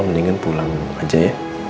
mendingan pulang aja ya